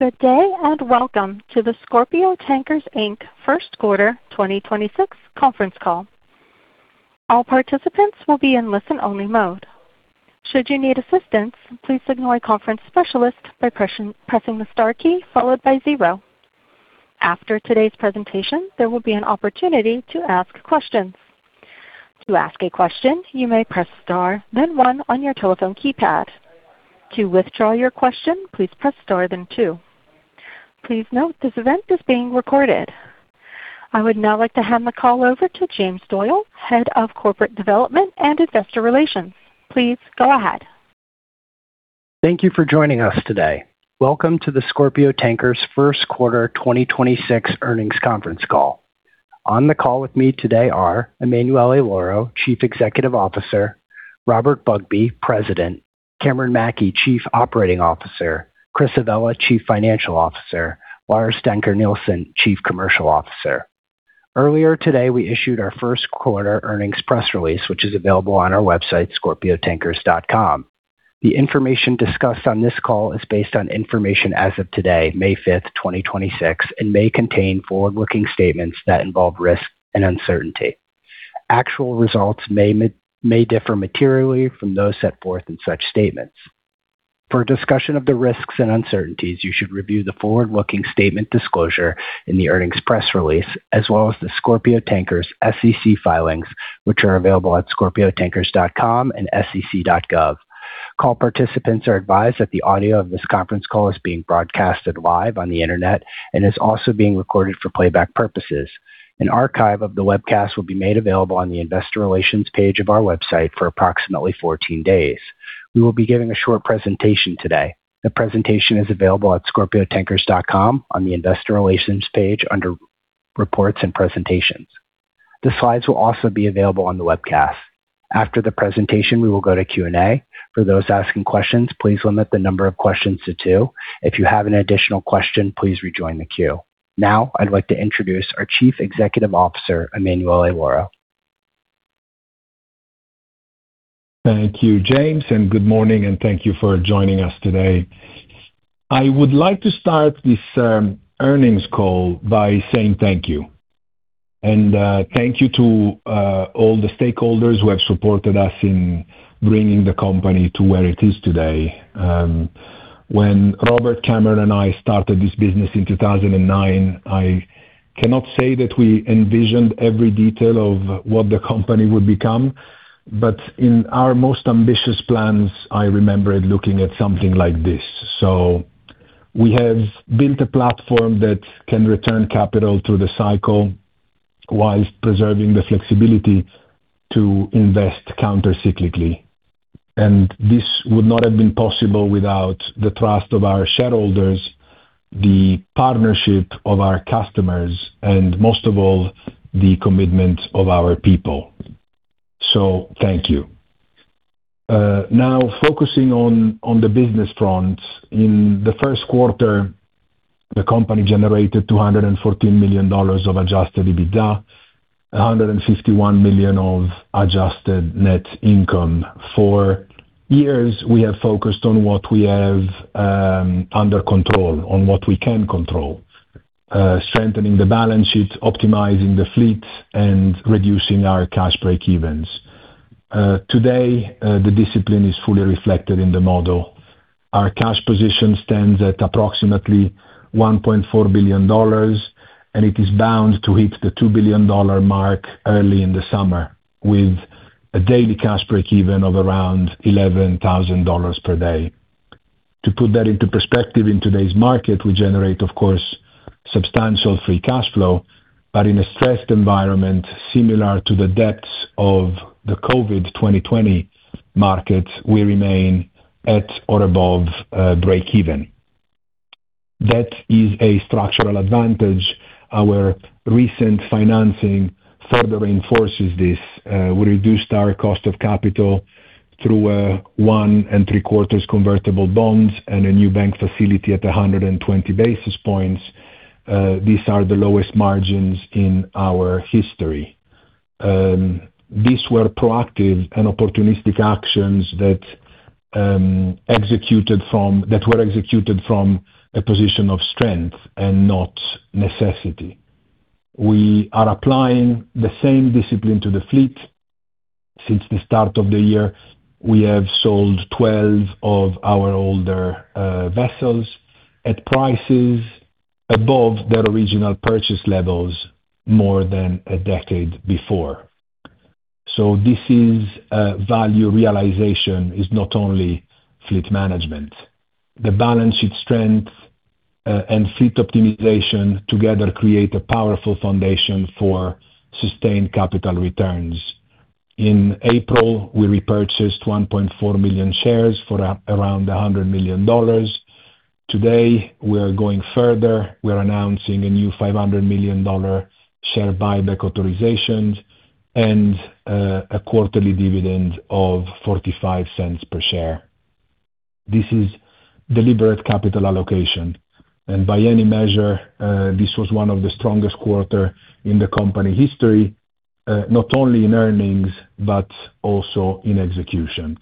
Good day, and welcome to the Scorpio Tankers Inc. First Quarter 2026 Conference Call. All participants will be in listen-only mode. Should you need assistance, please signal a conference specialist by pressing the star key followed by zero. After today's presentation, there will be an opportunity to ask questions. To ask a question, you may press star then one on your telephone keypad. To withdraw your question, please press star then two. Please note this event is being recorded. I would now like to hand the call over to James Doyle, Head of Corporate Development and Investor Relations. Please go ahead. Thank you for joining us today. Welcome to the Scorpio Tankers First Quarter 2026 Earnings Conference Call. On the call with me today are Emanuele Lauro, Chief Executive Officer, Robert Bugbee, President, Cameron Mackey, Chief Operating Officer, Chris Avella, Chief Financial Officer, Lars Dencker Nielsen, Chief Commercial Officer. Earlier today, we issued our first quarter earnings press release, which is available on our website, scorpiotankers.com. The information discussed on this call is based on information as of today, May 5th, 2026, and may contain forward-looking statements that involve risk and uncertainty. Actual results may differ materially from those set forth in such statements. For a discussion of the risks and uncertainties, you should review the forward-looking statement disclosure in the earnings press release, as well as the Scorpio Tankers SEC filings, which are available at scorpiotankers.com and sec.gov. Call participants are advised that the audio of this conference call is being broadcasted live on the Internet and is also being recorded for playback purposes. An archive of the webcast will be made available on the investor relations page of our website for approximately 14 days. We will be giving a short presentation today. The presentation is available at scorpiotankers.com on the investor relations page under reports and presentations. The slides will also be available on the webcast. After the presentation, we will go to Q&A. For those asking questions, please limit the number of questions to two. If you have an additional question, please rejoin the queue. Now I'd like to introduce our Chief Executive Officer, Emanuele Lauro. Thank you, James, and good morning, and thank you for joining us today. I would like to start this earnings call by saying thank you. Thank you to all the stakeholders who have supported us in bringing the company to where it is today. When Robert Cameron and I started this business in 2009, I cannot say that we envisioned every detail of what the company would become, but in our most ambitious plans, I remember it looking at something like this. We have built a platform that can return capital through the cycle whilst preserving the flexibility to invest countercyclically. This would not have been possible without the trust of our shareholders, the partnership of our customers, and most of all, the commitment of our people. Thank you. Now focusing on the business front. In the first quarter, the company generated $214 million of adjusted EBITDA, $151 million of adjusted net income. For years, we have focused on what we have under control, on what we can control, strengthening the balance sheet, optimizing the fleet, and reducing our cash breakevens. Today, the discipline is fully reflected in the model. Our cash position stands at approximately $1.4 billion, it is bound to hit the $2 billion mark early in the summer with a daily cash breakeven of around $11,000 per day. To put that into perspective, in today's market, we generate, of course, substantial free cash flow, but in a stressed environment similar to the depths of the COVID 2020 markets, we remain at or above breakeven. That is a structural advantage. Our recent financing further reinforces this. We reduced our cost of capital through 1 and 3/4 convertible bonds and a new bank facility at 120 basis points. These are the lowest margins in our history. These were proactive and opportunistic actions that were executed from a position of strength and not necessity. We are applying the same discipline to the fleet. Since the start of the year, we have sold 12 of our older vessels at prices above their original purchase levels more than a decade before. This is value realization is not only fleet management. The balance sheet strength and fleet optimization together create a powerful foundation for sustained capital returns. In April, we repurchased 1.4 million shares for around $100 million. Today, we are going further. We are announcing a new $500 million share buyback authorizations and a quarterly dividend of $0.45 per share. This is deliberate capital allocation, and by any measure, this was one of the strongest quarter in the company history, not only in earnings but also in execution.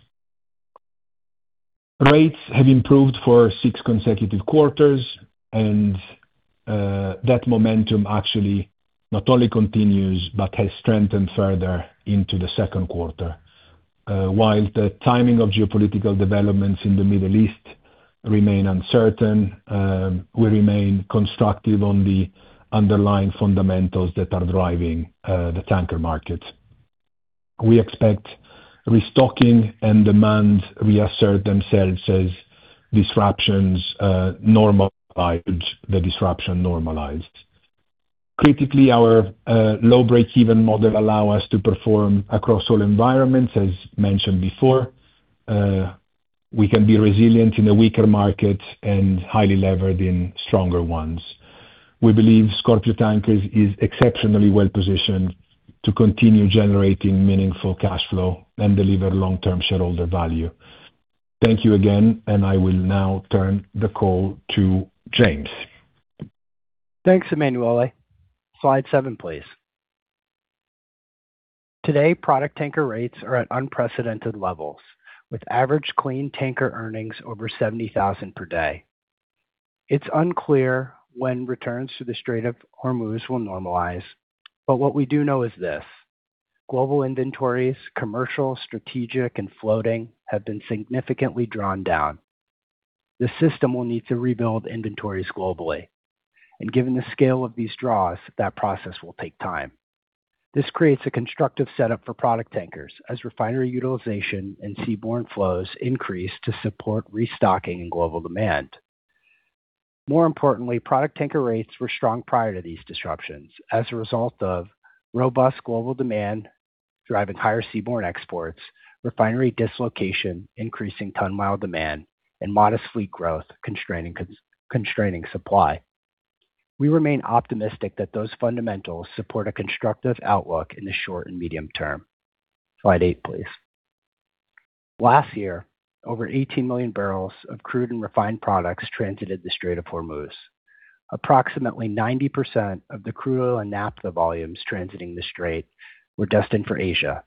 Rates have improved for six consecutive quarters, and that momentum actually not only continues but has strengthened further into the second quarter. While the timing of geopolitical developments in the Middle East remain uncertain, we remain constructive on the underlying fundamentals that are driving the tanker market. We expect restocking and demand reassert themselves as the disruption normalized. Critically, our low break-even model allow us to perform across all environments. As mentioned before, we can be resilient in a weaker market and highly levered in stronger ones. We believe Scorpio Tankers is exceptionally well-positioned to continue generating meaningful cash flow and deliver long-term shareholder value. Thank you again. I will now turn the call to James. Thanks, Emanuele. Slide seven, please. Today, product tanker rates are at unprecedented levels, with average clean tanker earnings over $70,000 per day. It's unclear when returns to the Strait of Hormuz will normalize. What we do know is this: Global inventories, commercial, strategic, and floating, have been significantly drawn down. The system will need to rebuild inventories globally. Given the scale of these draws, that process will take time. This creates a constructive setup for product tankers as refinery utilization and seaborne flows increase to support restocking and global demand. More importantly, product tanker rates were strong prior to these disruptions as a result of robust global demand driving higher seaborne exports, refinery dislocation, increasing ton-mile demand, and modest fleet growth constraining supply. We remain optimistic that those fundamentals support a constructive outlook in the short and medium term. Slide eight, please. Last year, over 18 million barrels of crude and refined products transited the Strait of Hormuz. Approximately 90% of the crude oil and naphtha volumes transiting the strait were destined for Asia.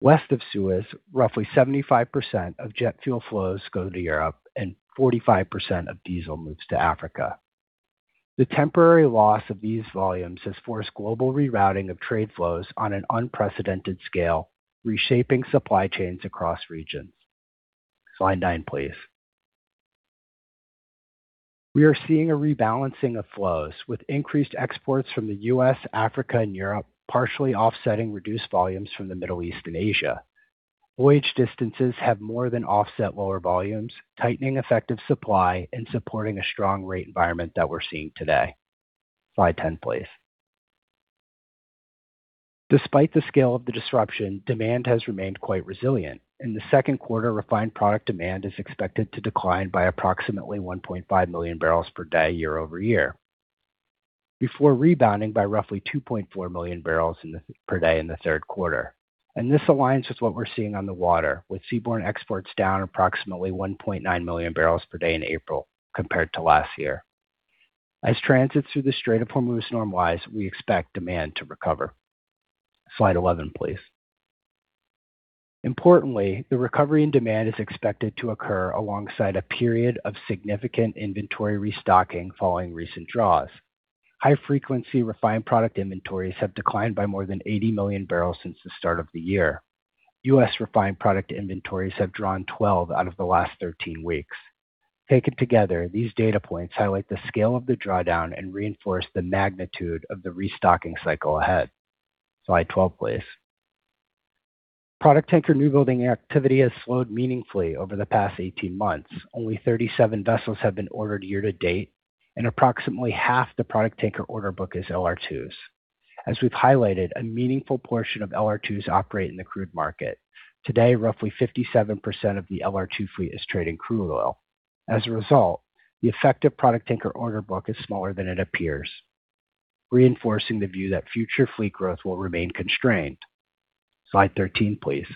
West of Suez, roughly 75% of jet fuel flows go to Europe, and 45% of diesel moves to Africa. The temporary loss of these volumes has forced global rerouting of trade flows on an unprecedented scale, reshaping supply chains across regions. Slide nine, please. We are seeing a rebalancing of flows, with increased exports from the U.S., Africa, and Europe partially offsetting reduced volumes from the Middle East and Asia. Voyage distances have more than offset lower volumes, tightening effective supply and supporting a strong rate environment that we're seeing today. Slide 10, please. Despite the scale of the disruption, demand has remained quite resilient. In the second quarter, refined product demand is expected to decline by approximately 1.5 MMbpd year-over-year, before rebounding by roughly 2.4 MMbpd in the third quarter. This aligns with what we're seeing on the water, with seaborne exports down approximately 1.9 MMbpd in April compared to last year. As transits through the Strait of Hormuz normalize, we expect demand to recover. Slide 11, please. Importantly, the recovery in demand is expected to occur alongside a period of significant inventory restocking following recent draws. High-frequency refined product inventories have declined by more than 80 MMbpl since the start of the year. US refined product inventories have drawn 12 out of the last 13 weeks. Taken together, these data points highlight the scale of the drawdown and reinforce the magnitude of the restocking cycle ahead. Slide 12, please. Product tanker new building activity has slowed meaningfully over the past 18 months. Only 37 vessels have been ordered year to date, and approximately half the product tanker order book is LR2s. As we've highlighted, a meaningful portion of LR2s operate in the crude market. Today, roughly 57% of the LR2 fleet is trading crude oil. As a result, the effective product tanker order book is smaller than it appears, reinforcing the view that future fleet growth will remain constrained. Slide 13, please.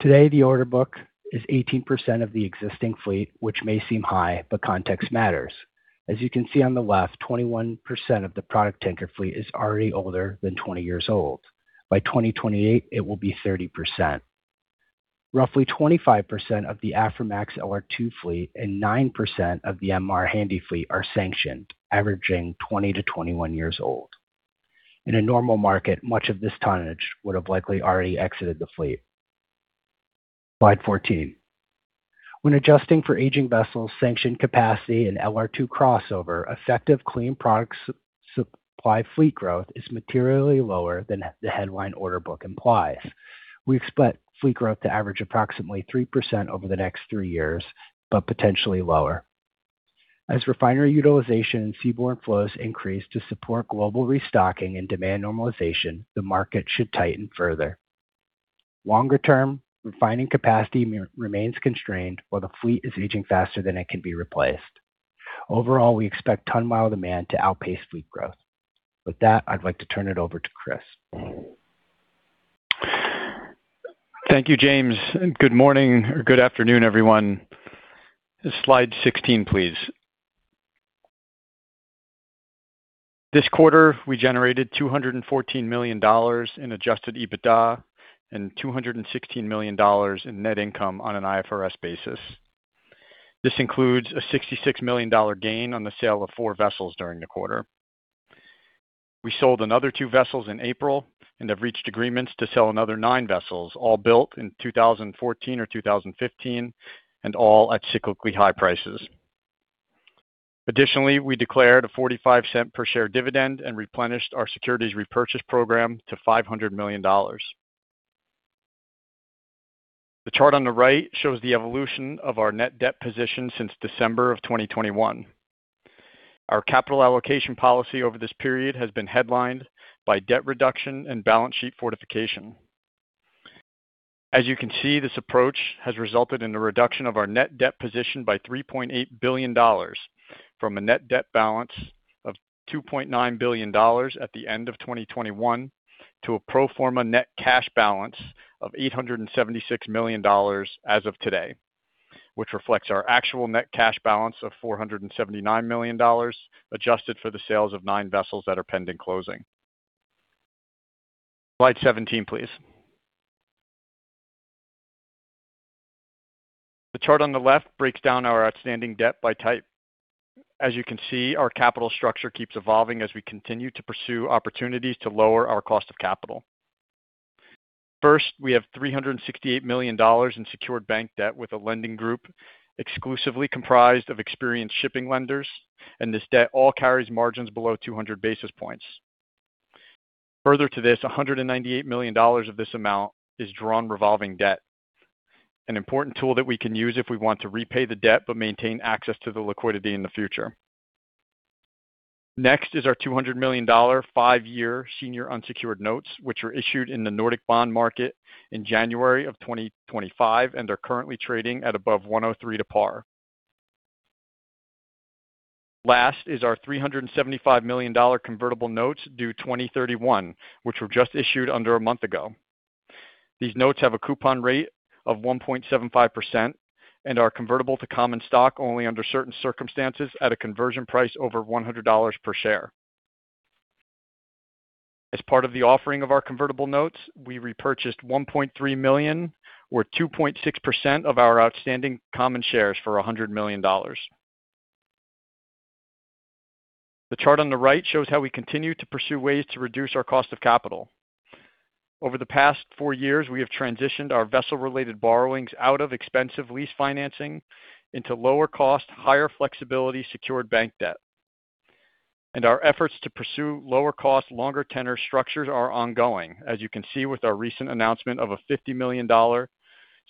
Today, the order book is 18% of the existing fleet, which may seem high, but context matters. As you can see on the left, 21% of the product tanker fleet is already older than 20 years old. By 2028, it will be 30%. Roughly 25% of the Aframax LR2 fleet and 9% of the MR Handysize fleet are sanctioned, averaging 20-21 years old. In a normal market, much of this tonnage would have likely already exited the fleet. Slide 14. When adjusting for aging vessels, sanctioned capacity, and LR2 crossover, effective clean products supply fleet growth is materially lower than the headline order book implies. We expect fleet growth to average approximately 3% over the next three years, but potentially lower. As refinery utilization and seaborne flows increase to support global restocking and demand normalization, the market should tighten further. Longer term, refining capacity remains constrained while the fleet is aging faster than it can be replaced. Overall, we expect ton-mile demand to outpace fleet growth. With that, I'd like to turn it over to Chris. Thank you, James, good morning or good afternoon, everyone. Slide 16, please. This quarter, we generated $214 million in adjusted EBITDA and $216 million in net income on an IFRS basis. This includes a $66 million gain on the sale of four vessels during the quarter. We sold another two vessels in April and have reached agreements to sell another nine vessels, all built in 2014 or 2015 and all at cyclically high prices. Additionally, we declared a $0.45 per share dividend and replenished our securities repurchase program to $500 million. The chart on the right shows the evolution of our net debt position since December of 2021. Our capital allocation policy over this period has been headlined by debt reduction and balance sheet fortification. As you can see, this approach has resulted in a reduction of our net debt position by $3.8 billion from a net debt balance of $2.9 billion at the end of 2021 to a pro forma net cash balance of $876 million as of today, which reflects our actual net cash balance of $479 million, adjusted for the sales of nine vessels that are pending closing. Slide 17, please. The chart on the left breaks down our outstanding debt by type. As you can see, our capital structure keeps evolving as we continue to pursue opportunities to lower our cost of capital. First, we have $368 million in secured bank debt with a lending group exclusively comprised of experienced shipping lenders, and this debt all carries margins below 200 basis points. Further to this, $198 million of this amount is drawn revolving debt, an important tool that we can use if we want to repay the debt but maintain access to the liquidity in the future. Next is our $200 million five-year senior unsecured notes, which were issued in the Nordic bond market in January of 2025 and are currently trading at above $103 to par. Last is our $375 million convertible notes due 2031, which were just issued under a month ago. These notes have a coupon rate of 1.75% and are convertible to common stock only under certain circumstances at a conversion price over $100 per share. As part of the offering of our convertible notes, we repurchased $1.3 million or 2.6% of our outstanding common shares for $100 million. The chart on the right shows how we continue to pursue ways to reduce our cost of capital. Over the past four years, we have transitioned our vessel-related borrowings out of expensive lease financing into lower cost, higher flexibility secured bank debt. Our efforts to pursue lower cost, longer tenor structures are ongoing, as you can see with our recent announcement of a $50 million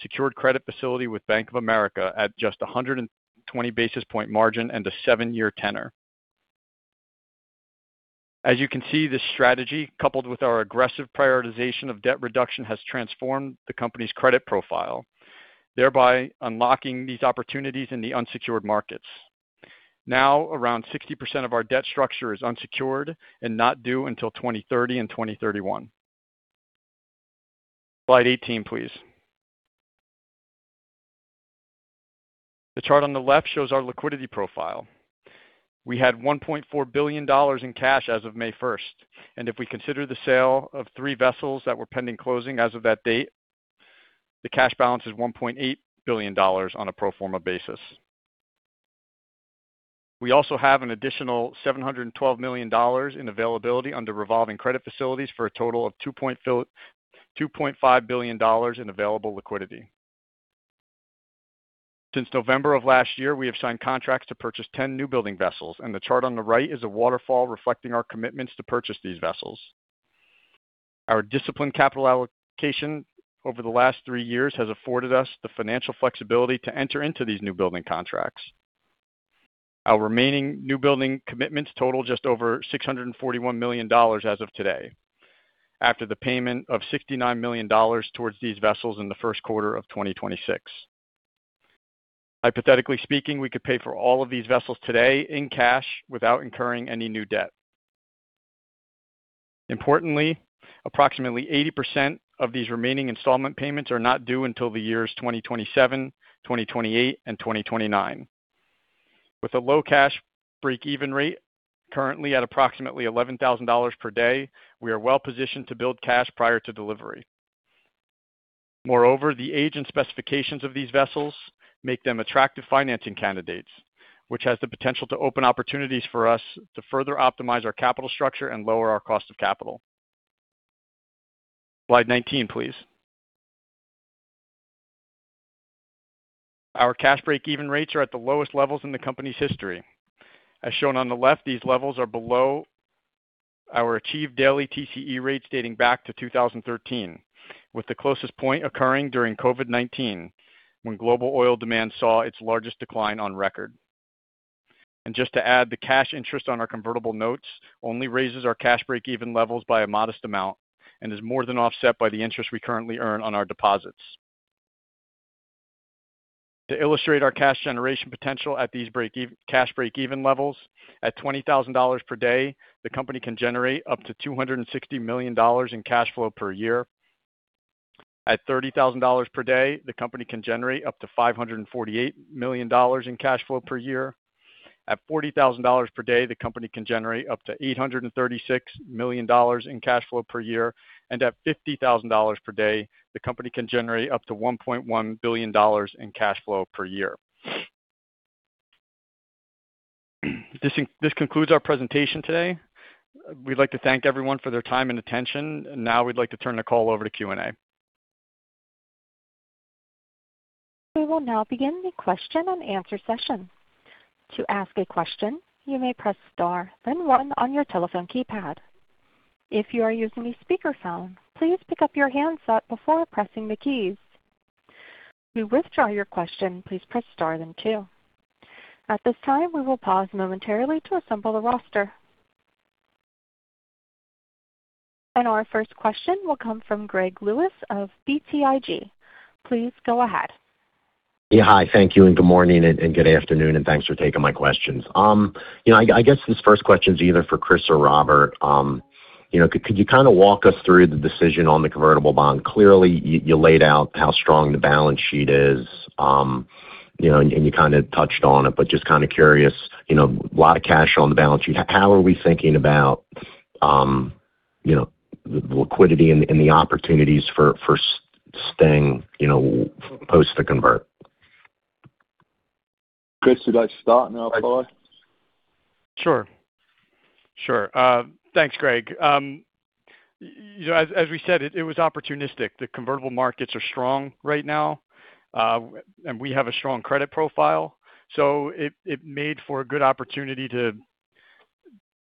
secured credit facility with Bank of America at just a 120 basis point margin and a seven-year tenor. As you can see, this strategy, coupled with our aggressive prioritization of debt reduction, has transformed the company's credit profile, thereby unlocking these opportunities in the unsecured markets. Now, around 60% of our debt structure is unsecured and not due until 2030 and 2031. Slide 18, please. The chart on the left shows our liquidity profile. We had $1.4 billion in cash as of May 1st, and if we consider the sale of three vessels that were pending closing as of that date, the cash balance is $1.8 billion on a pro forma basis. We also have an additional $712 million in availability under revolving credit facilities for a total of $2.5 billion in available liquidity. Since November of last year, we have signed contracts to purchase 10 new building vessels. The chart on the right is a waterfall reflecting our commitments to purchase these vessels. Our disciplined capital allocation over the last three years has afforded us the financial flexibility to enter into these new building contracts. Our remaining new building commitments total just over $641 million as of today. After the payment of $69 million towards these vessels in the first quarter of 2026. Hypothetically speaking, we could pay for all of these vessels today in cash without incurring any new debt. Importantly, approximately 80% of these remaining installment payments are not due until the years 2027, 2028, and 2029. With a low cash breakeven rate currently at approximately $11,000 per day, we are well-positioned to build cash prior to delivery. The age and specifications of these vessels make them attractive financing candidates, which has the potential to open opportunities for us to further optimize our capital structure and lower our cost of capital. Slide 19, please. Our cash breakeven rates are at the lowest levels in the company's history. As shown on the left, these levels are below our achieved daily TCE rates dating back to 2013, with the closest point occurring during COVID-19 when global oil demand saw its largest decline on record. Just to add, the cash interest on our convertible notes only raises our cash breakeven levels by a modest amount and is more than offset by the interest we currently earn on our deposits. To illustrate our cash generation potential at these cash breakeven levels, at $20,000 per day, the company can generate up to $260 million in cash flow per year. At $30,000 per day, the company can generate up to $548 million in cash flow per year. At $40,000 per day, the company can generate up to $836 million in cash flow per year. At $50,000 per day, the company can generate up to $1.1 billion in cash flow per year. This concludes our presentation today. We'd like to thank everyone for their time and attention. Now we'd like to turn the call over to Q&A. We will now begin the question and answer session. To ask a question, you may press star then one on your telephone keypad. If you are using a speaker phone, please pick up your handset before pressing the keys. To withdraw your question, please press star then two. At this time we will pause momentarily to assemble a roster. Our first question will come from Greg Lewis of BTIG. Please go ahead. Hi, thank you, and good morning, and good afternoon, and thanks for taking my questions. You know, I guess this first question is either for Chris or Robert. You know, could you kind of walk us through the decision on the convertible bond? Clearly, you laid out how strong the balance sheet is, you know, and you kind of touched on it, but just kind of curious, you know, a lot of cash on the balance sheet. How are we thinking about, you know, the liquidity and the opportunities for staying, you know, post the convert? Chris, would I start and I'll follow? Sure. Sure. thanks, Greg. You know, as we said, it was opportunistic. The convertible markets are strong right now, and we have a strong credit profile, so it made for a good opportunity to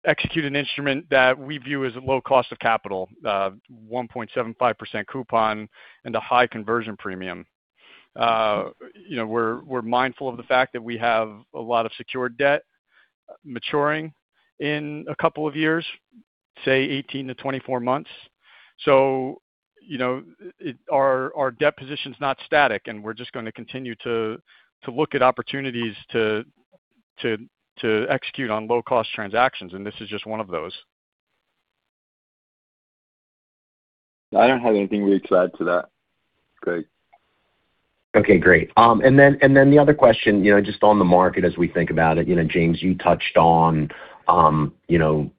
execute an instrument that we view as a low cost of capital, 1.75% coupon and a high conversion premium. You know, we're mindful of the fact that we have a lot of secured debt maturing in a couple of years, say 18 to 24 months. You know, our debt position's not static, and we're just gonna continue to look at opportunities to execute on low-cost transactions, and this is just one of those. I don't have anything really to add to that, Greg. Okay, great. The other question, you know, just on the market as we think about it. You know, James, you touched on, you know,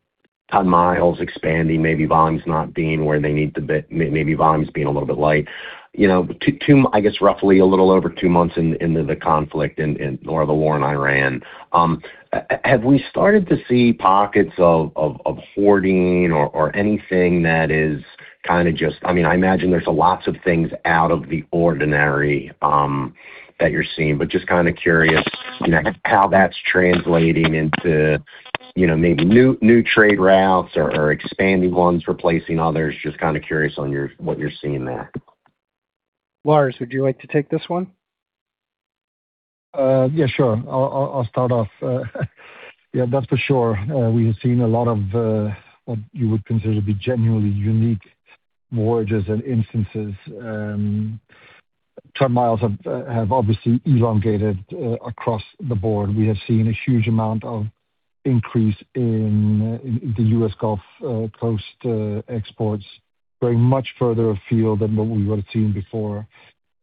ton-miles expanding, maybe volumes not being where they need to be. Maybe volumes being a little bit light. You know, I guess roughly a little over two months into the conflict or the war in Iran. Have we started to see pockets of hoarding or anything that is kind of just I mean, I imagine there's lots of things out of the ordinary that you're seeing, but just kind of curious, you know, how that's translating into, you know, maybe new trade routes or expanding ones replacing others. Just kind of curious what you're seeing there. Lars, would you like to take this one? Yeah, sure. I'll start off. Yeah, that's for sure. We have seen a lot of what you would consider to be genuinely unique voyages and instances. Ton-miles have obviously elongated across the board. We have seen a huge amount of increase in the U.S. Gulf Coast exports going much further afield than what we would have seen before.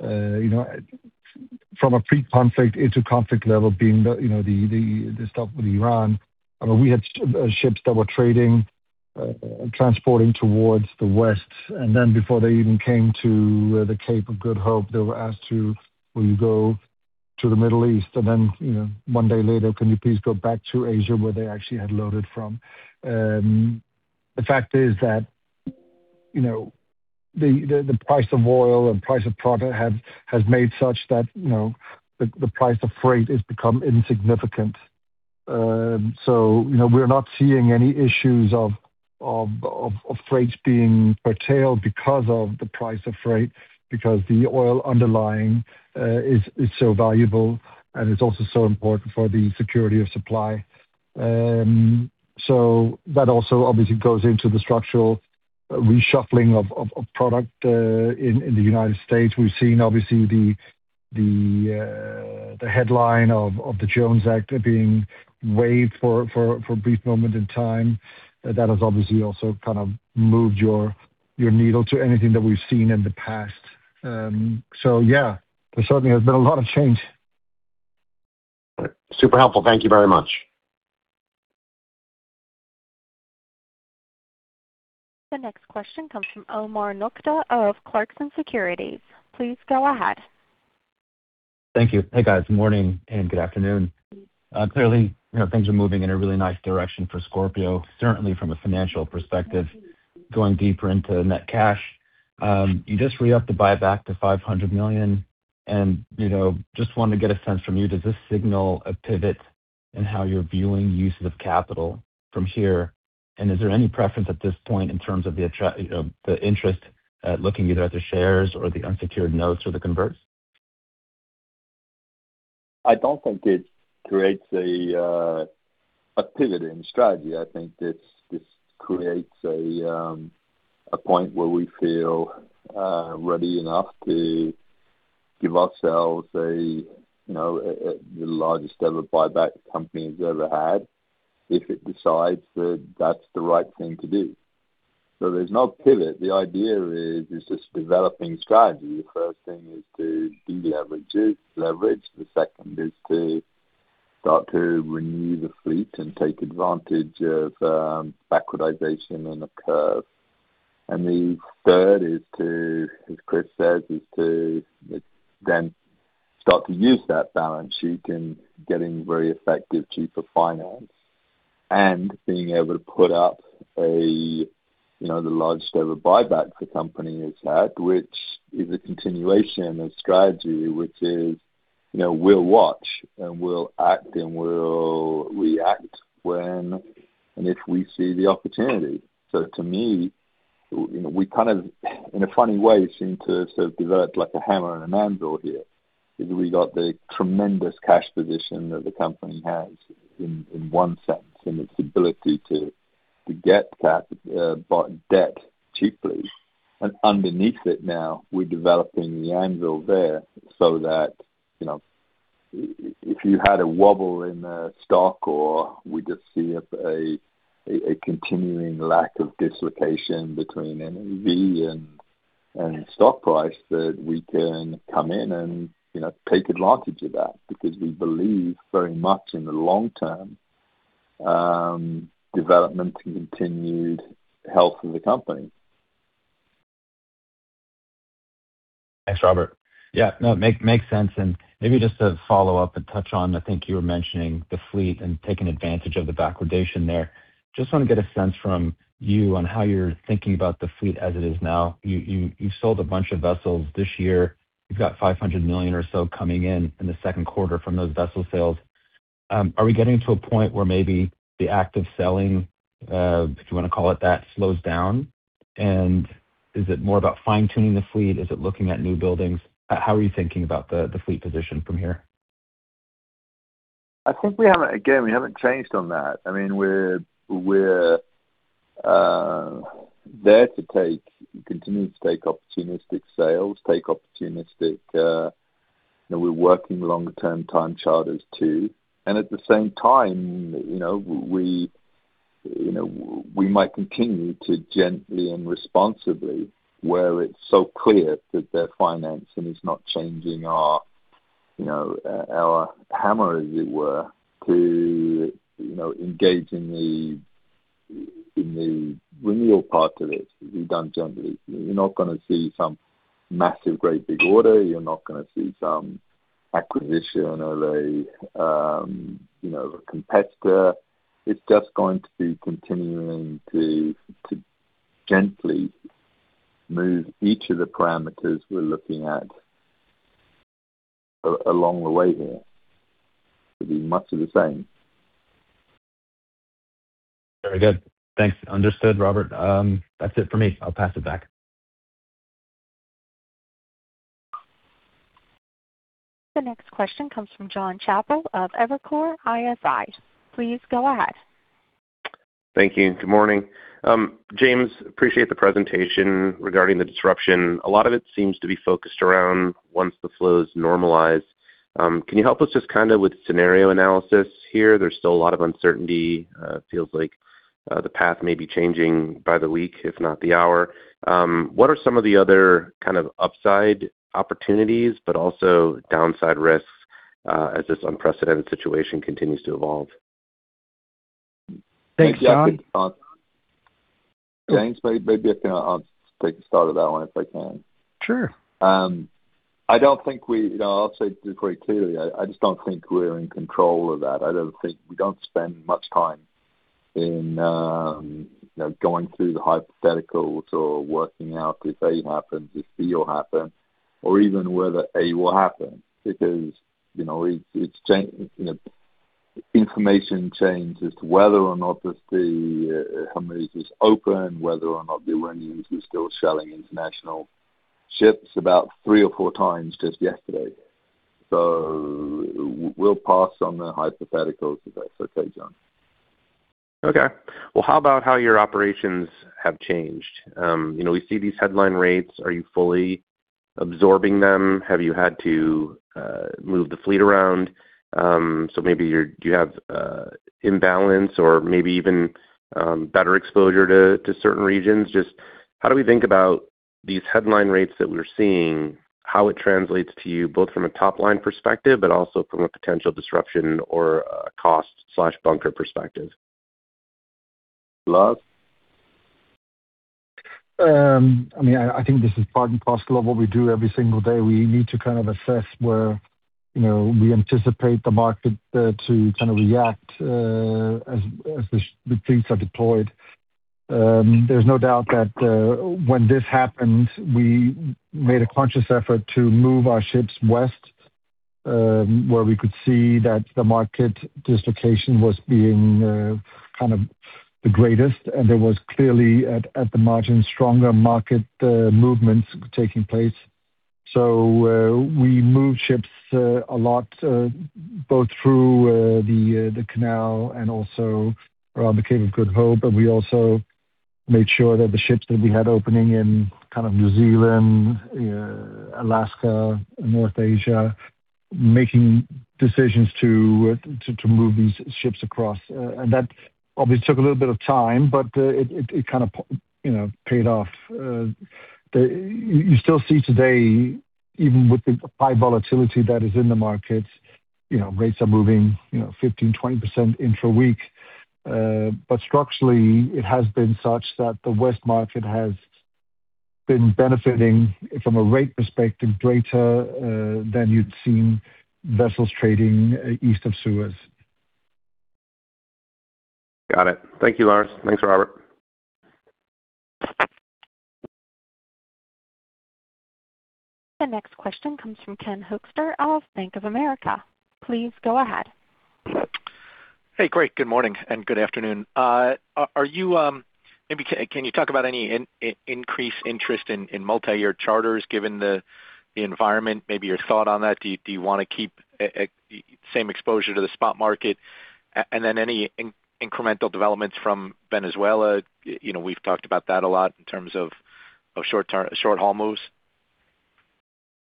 You know, from a pre-conflict, inter-conflict level being the, you know, the stuff with Iran. I mean, we had ships that were trading, transporting towards the West. Before they even came to the Cape of Good Hope, they were asked to will you go to the Middle East? You know, one day later, can you please go back to Asia, where they actually had loaded from. The fact is that, you know, the price of oil and price of product has made such that, you know, the price of freight has become insignificant. You know, we're not seeing any issues of freights being curtailed because of the price of freight, because the oil underlying is so valuable, and it's also so important for the security of supply. That also obviously goes into the structural reshuffling of product in the United States. We've seen obviously the headline of the Jones Act being waived for a brief moment in time. That has obviously also kind of moved your needle to anything that we've seen in the past. Yeah, there certainly has been a lot of change. Super helpful. Thank you very much. The next question comes from Omar Nokta of Clarksons Securities. Please go ahead. Thank you. Hey, guys. Morning and good afternoon. Clearly, you know, things are moving in a really nice direction for Scorpio, certainly from a financial perspective. Going deeper into net cash, you just re-upped the buyback to $500 million. You know, just wanted to get a sense from you, does this signal a pivot in how you're viewing use of capital from here? Is there any preference at this point in terms of the interest at looking either at the shares or the unsecured notes or the converts? I don't think it creates a pivot in strategy. I think this creates a point where we feel ready enough to give ourselves a, you know, the largest ever buyback company has ever had if it decides that that's the right thing to do. There's no pivot. The idea is just developing strategy. The first thing is to de-leverage it. The second is to start to renew the fleet and take advantage of backwardation in the curve. The third is to, as Chris says, then start to use that balance sheet in getting very effective cheaper finance and being able to put up a, you know, the largest ever buyback the company has had, which is a continuation of strategy, which is, you know, we'll watch and we'll act, and we'll react when and if we see the opportunity. To me, you know, we kind of, in a funny way, seem to sort of develop like a hammer and an anvil here because we got the tremendous cash position that the company has in one sense, in its ability to get debt cheaply. Underneath it now, we're developing the anvil there so that, you know, if you had a wobble in the stock or we just see a continuing lack of dislocation between NAV and stock price, that we can come in and, you know, take advantage of that because we believe very much in the long term, development and continued health of the company. Thanks, Robert. Yeah, no, makes sense. Maybe just to follow up and touch on, I think you were mentioning the fleet and taking advantage of the backwardation there. Just wanna get a sense from you on how you're thinking about the fleet as it is now. You sold a bunch of vessels this year. You've got $500 million or so coming in in the second quarter from those vessel sales. Are we getting to a point where maybe the act of selling, if you wanna call it that, slows down? Is it more about fine-tuning the fleet? Is it looking at new buildings? How are you thinking about the fleet position from here? I think we haven't changed on that. I mean, we're there to continue to take opportunistic sales, take opportunistic. You know, we're working longer term time charters too. At the same time, you know, we might continue to gently and responsibly, where it's so clear that their financing is not changing our, you know, our hammer, as it were, to, you know, engage in the renewal part of it. It'll be done gently. You're not gonna see some massive, great big order. You're not gonna see some acquisition of a, you know, a competitor. It's just going to be continuing to gently move each of the parameters we're looking at along the way here. It'll be much of the same. Very good. Thanks. Understood, Robert. That's it for me. I'll pass it back. The next question comes from Jonathan Chappell of Evercore ISI. Please go ahead. Thank you. Good morning. James, appreciate the presentation regarding the disruption. A lot of it seems to be focused around once the flow is normalized. Can you help us just kind of with scenario analysis here? There's still a lot of uncertainty. Feels like the path may be changing by the week, if not the hour. What are some of the other kind of upside opportunities, but also downside risks, as this unprecedented situation continues to evolve? Thanks, John. Maybe I could, James, maybe I can, I'll take a start at that one, if I can. Sure. You know, I'll say this very clearly. I just don't think we're in control of that. We don't spend much time in, you know, going through the hypotheticals or working out if A happens, if B will happen, or even whether A will happen because, you know, it's, you know, information changes to whether or not the Hormuz is open, whether or not the Iranians are still shelling international ships about three or four times just yesterday. We'll pass on the hypotheticals, if that's okay, John. Okay. Well, how about how your operations have changed? You know, we see these headline rates. Are you fully absorbing them? Have you had to move the fleet around? Maybe do you have imbalance or maybe even better exposure to certain regions? Just how do we think about these headline rates that we're seeing, how it translates to you both from a top-line perspective, but also from a potential disruption or a cost/bunker perspective? Lars? I mean, I think this is part and parcel of what we do every single day. We need to kind of assess where, you know, we anticipate the market to kinda react as the fleets are deployed. There's no doubt that when this happened, we made a conscious effort to move our ships west, where we could see that the market dislocation was being kind of the greatest, and there was clearly at the margin, stronger market movements taking place. We moved ships a lot, both through the canal and also around the Cape of Good Hope, but we also made sure that the ships that we had opening in kind of New Zealand, Alaska, North Asia, making decisions to move these ships across. That obviously took a little bit of time, but it kind of, you know, paid off. You still see today, even with the high volatility that is in the markets, you know, rates are moving, you know, 15%, 20% intra-week. Structurally, it has been such that the West market has been benefiting from a rate perspective greater than you'd seen vessels trading East of Suez. Got it. Thank you, Lars. Thanks, Robert. The next question comes from Ken Hoexter of Bank of America. Please go ahead. Hey, great. Good morning and good afternoon. Are you maybe can you talk about any increased interest in multi-year charters given the environment, maybe your thought on that? Do you wanna keep same exposure to the spot market? Then any incremental developments from Venezuela? You know, we've talked about that a lot in terms of short-term short-haul moves.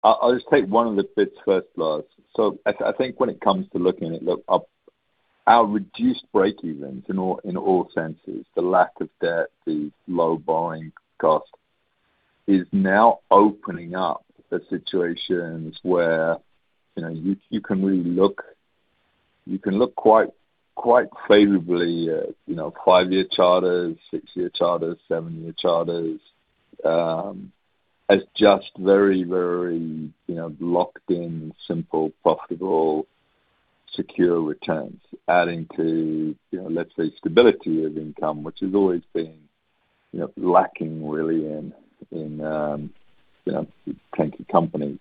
I'll just take one of the bits first, Lars. I think when it comes to looking at look up our reduced breakevens in all senses, the lack of debt, the low borrowing cost, is now opening up the situations where, you know, you can really look quite favorably at, you know, five-year charters, six-year charters, seven-year charters, as just very, you know, locked in simple, profitable, secure returns, adding to, you know, let's say, stability of income, which has always been, you know, lacking really in tanker companies.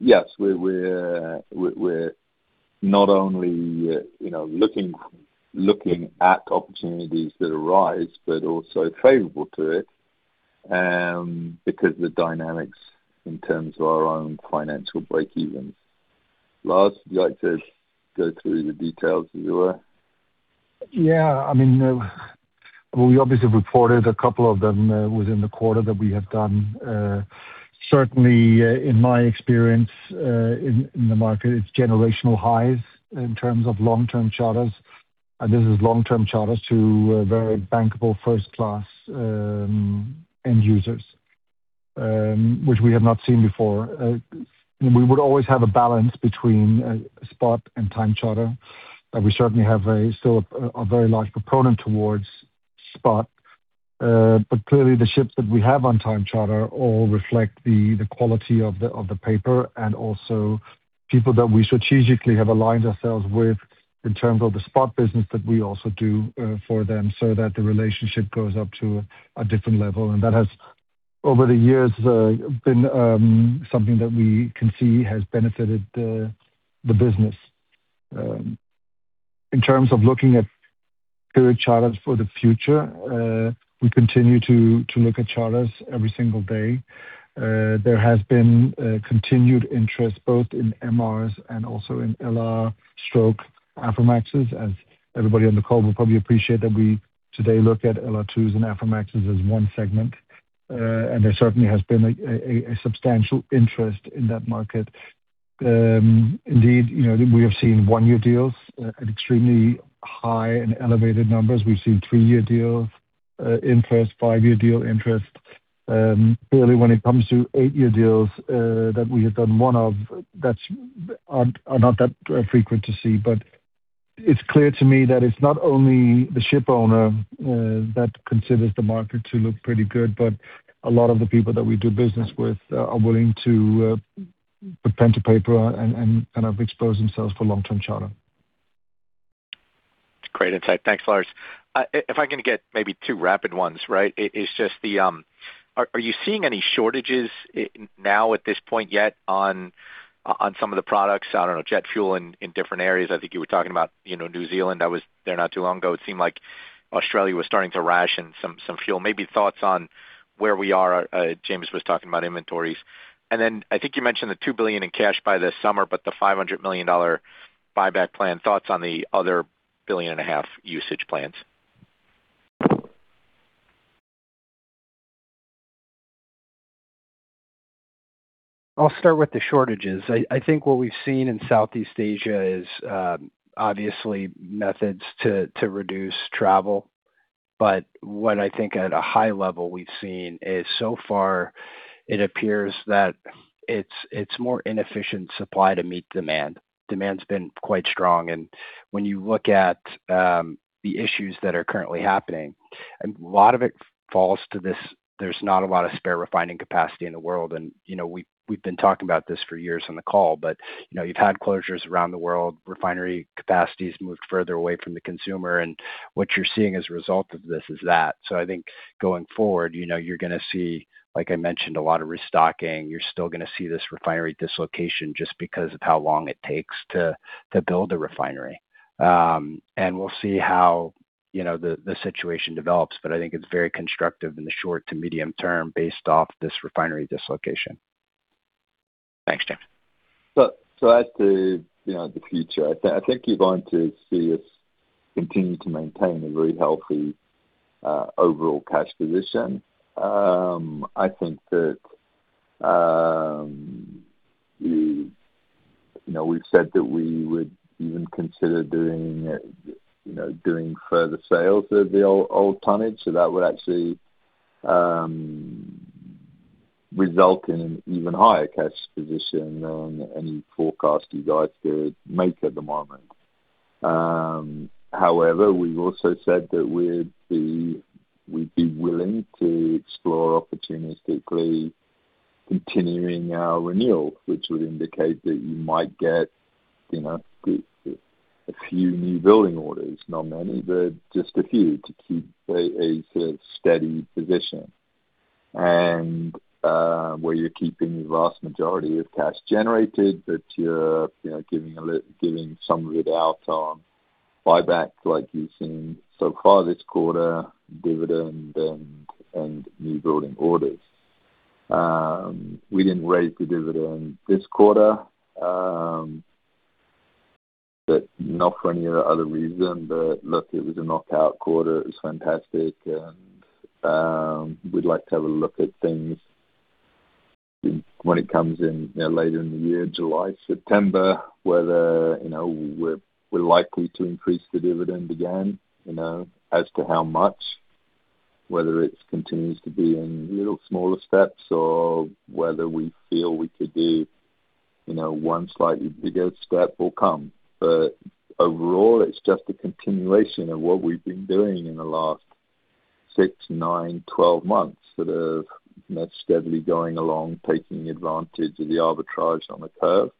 Yes, we're not only, you know, looking at opportunities that arise, but also favorable to it because the dynamics in terms of our own financial breakevens. Lars, would you like to go through the details as you were? Yeah, I mean, well, we obviously reported a couple of them within the quarter that we have done. Certainly, in my experience, in the market, it's generational highs in terms of long-term charters. This is long-term charters to a very bankable first-class end users, which we have not seen before. We would always have a balance between spot and time charter, but we certainly have a, still a very large proponent towards spot. Clearly, the ships that we have on time charter all reflect the quality of the paper, and also people that we strategically have aligned ourselves with in terms of the spot business that we also do for them so that the relationship goes up to a different level. That has, over the years, been something that we can see has benefited the business. In terms of looking at period charters for the future, we continue to look at charters every single day. There has been continued interest both in MRs and also in LR stroke Aframaxes. As everybody on the call will probably appreciate that we today look at LR2s and Aframaxes as one segment. There certainly has been a substantial interest in that market. Indeed, you know, we have seen one-year deals at extremely high and elevated numbers. We've seen three-year deals, interest, five-year deal interest. Clearly, when it comes to eight-year deals that we have done one of, that's are not that frequent to see. It's clear to me that it's not only the ship owner that considers the market to look pretty good, but a lot of the people that we do business with are willing to put pen to paper and kind of expose themselves for long-term charter. It's great insight. Thanks, Lars. If I can get maybe two rapid ones, right? Is just the, are you seeing any shortages now at this point yet on some of the products? I don't know, jet fuel in different areas. I think you were talking about, you know, New Zealand. I was there not too long ago. It seemed like Australia was starting to ration some fuel. Maybe thoughts on where we are? James was talking about inventories. I think you mentioned the $2 billion in cash by this summer, but the $500 million buyback plan, thoughts on the other billion and a half usage plans? I'll start with the shortages. I think what we've seen in Southeast Asia is obviously methods to reduce travel. What I think at a high level we've seen is so far it appears that it's more inefficient supply to meet demand. Demand's been quite strong. When you look at the issues that are currently happening, a lot of it falls to this, there's not a lot of spare refining capacity in the world. You know, we've been talking about this for years on the call, but, you know, you've had closures around the world, refinery capacities moved further away from the consumer, and what you're seeing as a result of this is that. I think going forward, you know, you're gonna see, like I mentioned, a lot of restocking. You're still gonna see this refinery dislocation just because of how long it takes to build a refinery. We'll see how, you know, the situation develops, but I think it's very constructive in the short to medium term based off this refinery dislocation. Thanks, James. As to, you know, the future, I think you want to see us continue to maintain a very healthy overall cash position. I think that we, you know, we've said that we would even consider doing, you know, doing further sales of the old tonnage. That would actually result in an even higher cash position than any forecast you guys could make at the moment. However, we've also said that we'd be willing to explore opportunistically continuing our renewal, which would indicate that you might get, you know, a few new building orders, not many, but just a few to keep a sort of steady position. Where you're keeping the vast majority of cash generated, but you're, you know, giving some of it out on buyback like you've seen so far this quarter, dividend and new building orders. We didn't raise the dividend this quarter, but not for any other reason. Look, it was a knockout quarter, it was fantastic and we'd like to have a look at things when it comes in, you know, later in the year, July, September, whether, you know, we're likely to increase the dividend again, you know. As to how much, whether it continues to be in little smaller steps or whether we feel we could do, you know, one slightly bigger step will come. Overall, it's just a continuation of what we've been doing in the last six, nine, 12 months, sort of, you know, steadily going along, taking advantage of the arbitrage on the curve,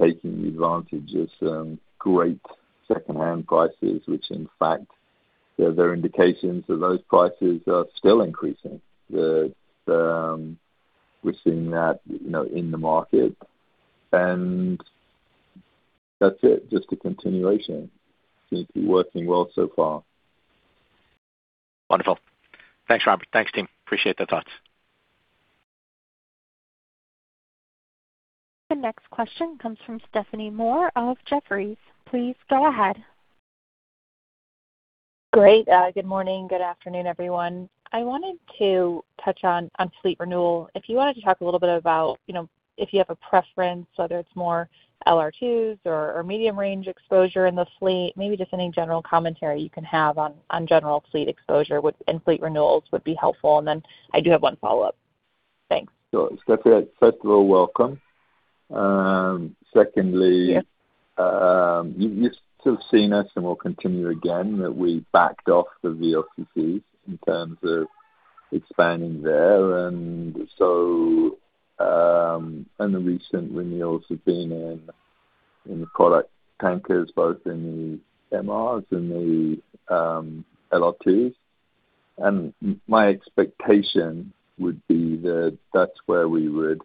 taking advantage of some great secondhand prices, which in fact, there are indications that those prices are still increasing. We're seeing that, you know, in the market. That's it. Just a continuation. Seem to be working well so far. Wonderful. Thanks, Robert. Thanks, team. Appreciate the thoughts. The next question comes from Stephanie Moore of Jefferies. Please go ahead. Great. Good morning, good afternoon, everyone. I wanted to touch on fleet renewal. If you wanted to talk a little bit about, you know, if you have a preference, whether it's more LR2s or medium range exposure in the fleet, maybe just any general commentary you can have on general fleet exposure and fleet renewals would be helpful. Then I do have one follow-up. Thanks. Sure. Stephanie, first of all, welcome. Yeah. Secondly, you've sort of seen us, and we'll continue again, that we backed off the VLCCs in terms of expanding there. The recent renewals have been in the product tankers, both in the MRs and the LR2s. My expectation would be that that's where we would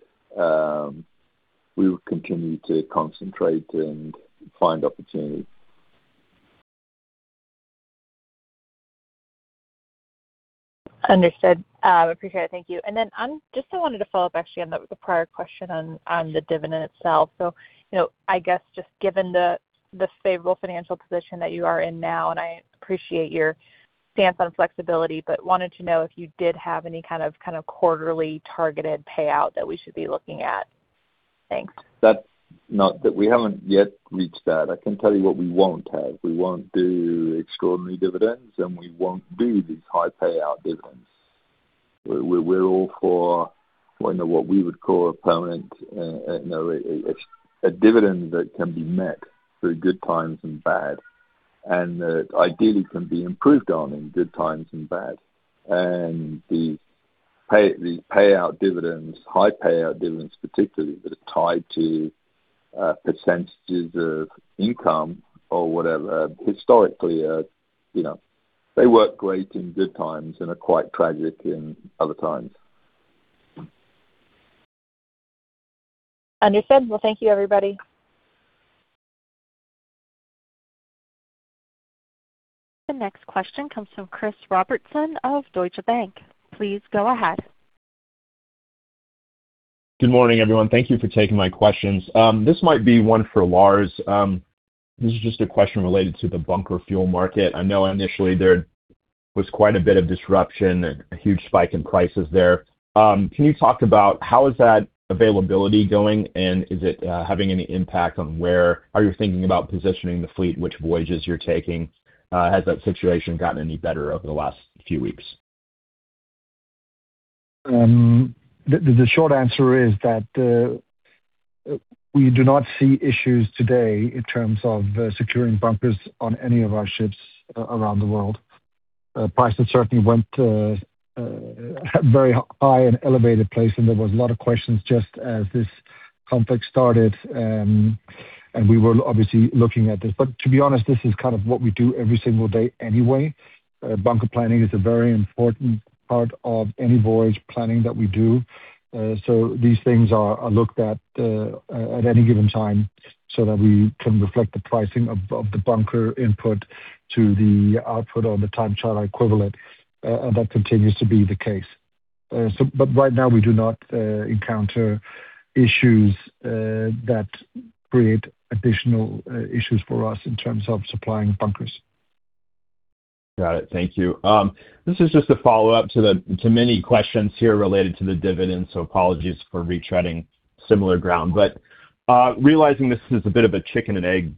continue to concentrate and find opportunities. Understood. I appreciate it. Thank you. I wanted to follow up actually on the prior question on the dividend itself. You know, I guess, just given the favorable financial position that you are in now, and I appreciate your stance on flexibility, but wanted to know if you did have any kind of quarterly targeted payout that we should be looking at. Thanks. We haven't yet reached that. I can tell you what we won't have. We won't do extraordinary dividends, and we won't do these high payout dividends. We're all for, you know, what we would call a permanent, you know, a dividend that can be met through good times and bad, and that ideally can be improved on in good times and bad. The payout dividends, high payout dividends, particularly, that are tied to percentages of income or whatever, historically are, you know, they work great in good times and are quite tragic in other times. Understood. Well, thank you, everybody. The next question comes from Chris Robertson of Deutsche Bank. Please go ahead. Good morning, everyone. Thank you for taking my questions. This might be one for Lars. This is just a question related to the bunker fuel market. I know initially there was quite a bit of disruption, a huge spike in prices there. Can you talk about how is that availability going, and is it, having any impact on where are you thinking about positioning the fleet, which voyages you're taking? Has that situation gotten any better over the last few weeks? The short answer is that we do not see issues today in terms of securing bunkers on any of our ships around the world. Prices certainly went very high and elevated place, and there was a lot of questions just as this conflict started, we were obviously looking at this. To be honest, this is kind of what we do every single day anyway. Bunker planning is a very important part of any voyage planning that we do. These things are looked at at any given time so that we can reflect the pricing of the bunker input to the output or the time charter equivalent. That continues to be the case. Right now we do not encounter issues that create additional issues for us in terms of supplying bunkers. Got it. Thank you. This is just a follow-up to the many questions here related to the dividends. Apologies for retreading similar ground. Realizing this is a bit of a chicken and egg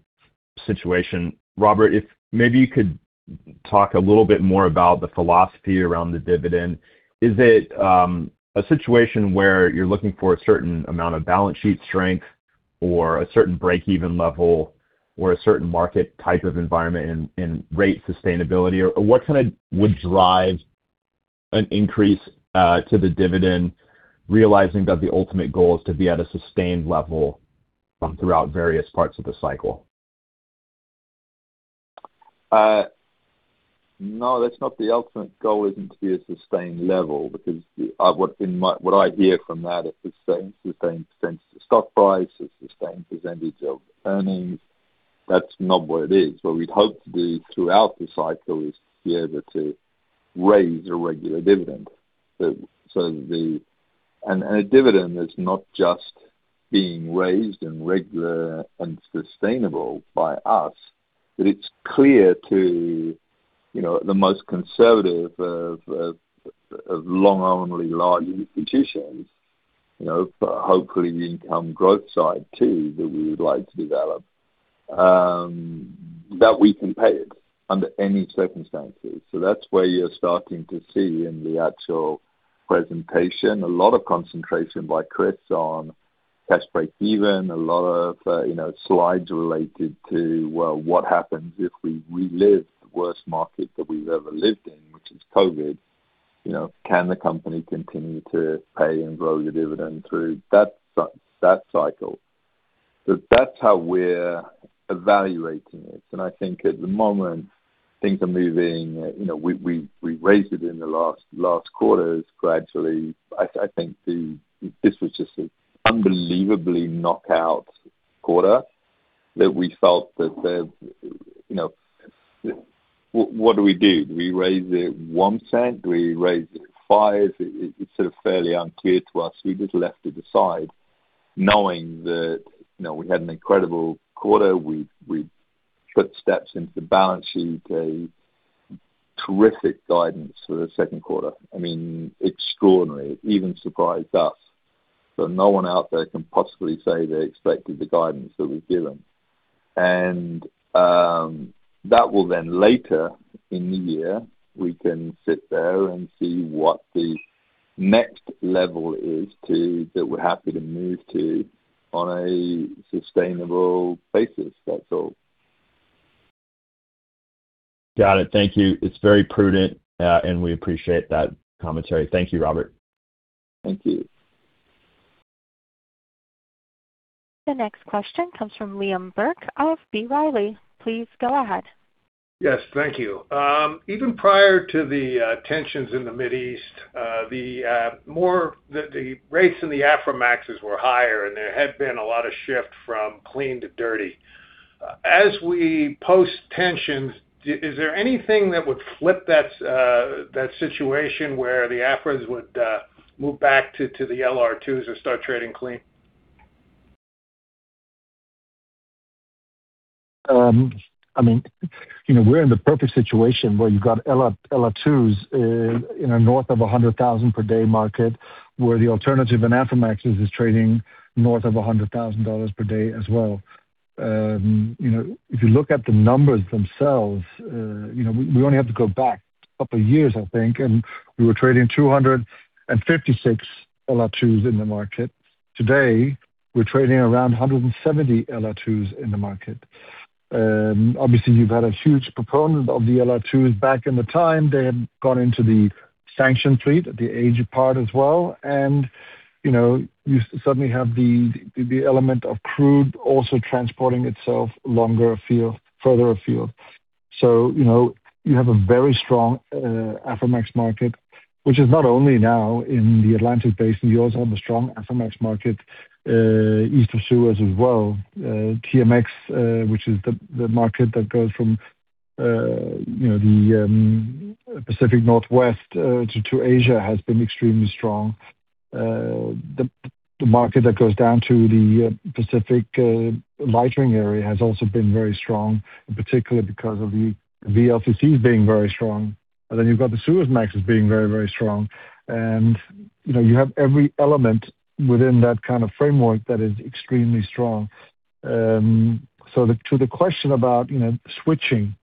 situation, Robert, if maybe you could talk a little bit more about the philosophy around the dividend. Is it a situation where you're looking for a certain amount of balance sheet strength or a certain break-even level or a certain market type of environment and rate sustainability? What kinda would drive an increase to the dividend, realizing that the ultimate goal is to be at a sustained level throughout various parts of the cycle? No, that's not the ultimate goal, isn't to be a sustained level. What I hear from that is the same sense of stock price, it's the same percentage of earnings. That's not what it is. What we'd hope to be throughout the cycle is to be able to raise a regular dividend. A dividend is not just being raised and regular and sustainable by us, but it's clear to, you know, the most conservative of long-only large institutions, you know, but hopefully the income growth side too, that we would like to develop, that we can pay it under any circumstances. That's where you're starting to see in the actual presentation, a lot of concentration by Chris on cash breakeven. A lot of, you know, slides related to, well, what happens if we relive the worst market that we've ever lived in, which is COVID. You know, can the company continue to pay and grow the dividend through that cycle? That's how we're evaluating it. I think at the moment, things are moving. You know, we raised it in the last quarters gradually. I think this was just an unbelievably knockout quarter that we felt. You know, what do we do? Do we raise it $0.01? Do we raise it $0.05? It's sort of fairly unclear to us. We just left it aside knowing that, you know, we had an incredible quarter. We put steps into the balance sheet, a terrific guidance for the second quarter. I mean, extraordinary. It even surprised us. No one out there can possibly say they expected the guidance that we've given. That will then later in the year, we can sit there and see what the next level is to, that we're happy to move to on a sustainable basis. That's all. Got it. Thank you. It's very prudent, and we appreciate that commentary. Thank you, Robert. Thank you. The next question comes from Liam Burke of B. Riley. Please go ahead. Yes, thank you. Even prior to the tensions in the Mid-East, the rates in the Aframaxes were higher, and there had been a lot of shift from clean to dirty. As we post tensions, is there anything that would flip that situation where the Afras would move back to the LR2s or start trading clean? I mean, you know, we're in the perfect situation where you've got LR2s in a north of $100,000 per day market, where the alternative and Aframaxes is trading north of $100,000 per day as well. You know, if you look at the numbers themselves, you know, we only have to go back a couple of years, I think, and we were trading 256 LR2s in the market. Today, we're trading around 170 LR2s in the market. Obviously, you've had a huge proponent of the LR2s back in the time. They had gone into the sanction fleet at the age part as well. You know, you suddenly have the element of crude also transporting itself longer afield, further afield. You know, you have a very strong Aframax market, which is not only now in the Atlantic Basin, you also have a strong Aframax market East of Suez as well. TMX, which is the market that goes from, you know, the Pacific Northwest to Asia, has been extremely strong. The market that goes down to the Pacific lightering area has also been very strong, in particular because of the VLCCs being very strong. You've got the Suezmaxes being very strong. You know, you have every element within that kind of framework that is extremely strong. To the question about, you know, switching.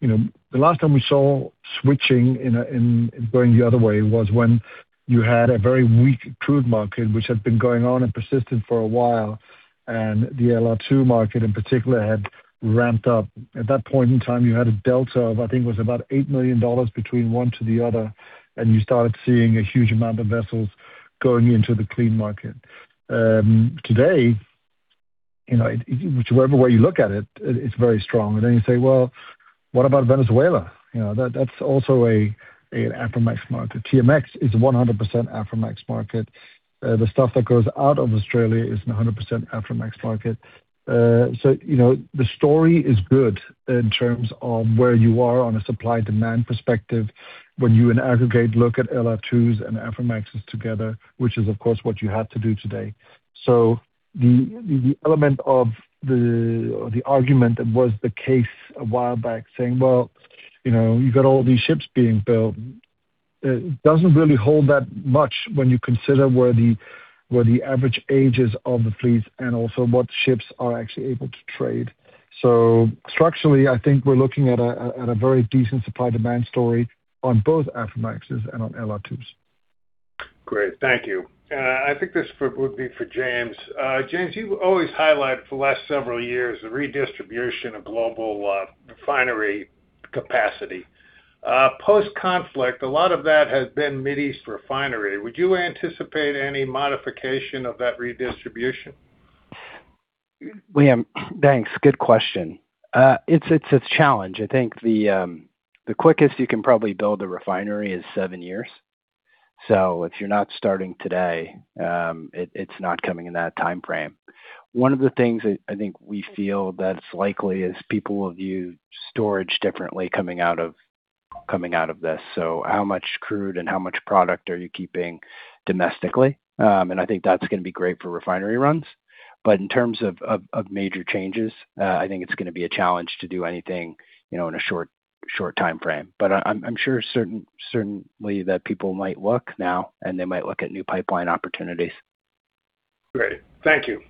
You know, the last time we saw switching in going the other way was when you had a very weak crude market, which had been going on and persisted for a while, and the LR2 market in particular had ramped up. At that point in time, you had a delta of, I think it was about $8 million between one to the other, and you started seeing a huge amount of vessels going into the clean market. Today, you know, whichever way you look at it's very strong. Well, what about Venezuela? You know, that's also a Aframax market. TMX is 100% Aframax market. The stuff that goes out of Australia is 100% Aframax market. You know, the story is good in terms of where you are on a supply-demand perspective when you, in aggregate, look at LR2s and Aframaxes together, which is of course what you had to do today. The argument that was the case a while back saying, "Well, you know, you've got all these ships being built," it doesn't really hold that much when you consider where the average ages of the fleets and also what ships are actually able to trade. Structurally, I think we're looking at a very decent supply-demand story on both Aframaxes and on LR2s. Great. Thank you. I think this would be for James. James, you always highlight for the last several years the redistribution of global refinery capacity. Post-conflict, a lot of that has been Mid-East refinery. Would you anticipate any modification of that redistribution? Liam, thanks. Good question. It's a challenge. I think the quickest you can probably build a refinery is seven years. If you're not starting today, it's not coming in that timeframe. One of the things that I think we feel that's likely is people will view storage differently coming out of this. How much crude and how much product are you keeping domestically? I think that's gonna be great for refinery runs. In terms of major changes, I think it's gonna be a challenge to do anything, you know, in a short timeframe. I'm sure certainly that people might look now, and they might look at new pipeline opportunities. Great. Thank you.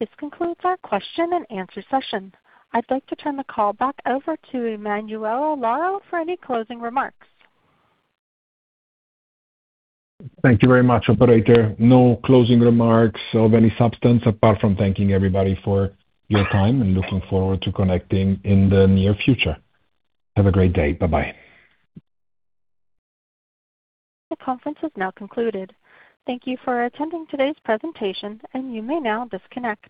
This concludes our question and answer session. I'd like to turn the call back over to Emanuele Lauro for any closing remarks. Thank you very much, operator. No closing remarks of any substance apart from thanking everybody for your time and looking forward to connecting in the near future. Have a great day. Bye-bye. The conference is now concluded. Thank you for attending today's presentation, and you may now disconnect.